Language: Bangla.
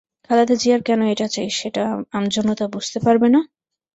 খালেদা জিয়ার কেন এটা চাই, সেটা আমজনতা বুঝতে পারবে না?